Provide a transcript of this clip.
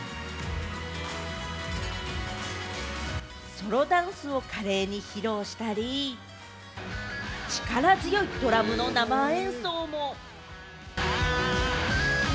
ソロダンスを華麗に披露したり、力強いドラムの生演奏も。